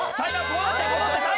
戻って戻って。